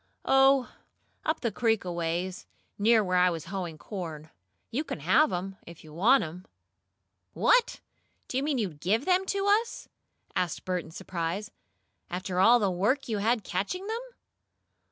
"Oh, up the creek aways near where I was hoeing corn. You can have 'em, if you want 'em." "What! Do you mean to GIVE them to us?" asked Bert in surprise. "After all the work you had catching them?"